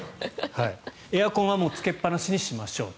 エアコンはつけっぱなしにしましょう。